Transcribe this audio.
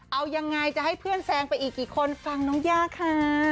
เอายังไงจะให้เพื่อนแซงไปอีกกี่คนฟังน้องย่าค่ะ